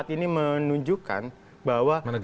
lima empat ini menunjukkan bahwa